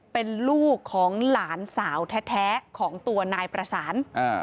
เป็นลูกของหลานสาวแท้ของตัวนายประสาน